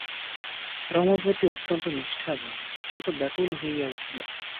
রমাপতি অত্যন্ত নিষ্ঠাবান, সে তো ব্যাকুল হইয়া উঠিল।